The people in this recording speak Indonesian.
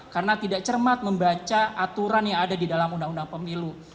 karena tidak cermat membaca aturan yang ada di dalam undang undang pemilu